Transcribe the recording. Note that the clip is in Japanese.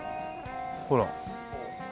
ほら。